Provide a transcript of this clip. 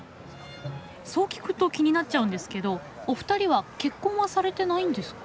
そう聞くと気になっちゃうんですけどお二人は結婚はされてないんですか？